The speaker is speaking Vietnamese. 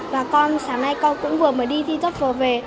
và con sáng nay con cũng vừa mới đi thi tốt vừa về